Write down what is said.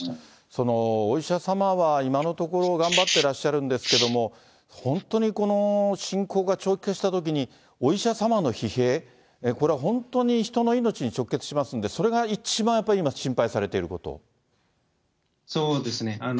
そのお医者様は今のところ頑張ってらっしゃるんですけれども、本当に侵攻が長期化したときに、お医者様の疲弊、これは本当に人の命に直結しますんで、それが一番やっぱり今、そうですね。